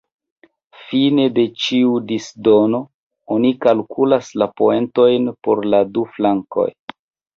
Fine de ĉiu "disdono" oni kalkulas la poentojn por la du flankoj.